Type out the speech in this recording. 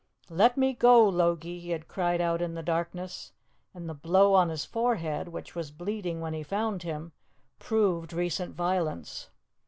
"Let me go, Logie!" he had cried out in the darkness, and the blow on his forehead, which was bleeding when he found him, proved recent violence.